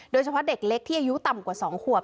โดยเฉพาะเด็กเล็กที่อายุต่ำกว่า๒ขวบ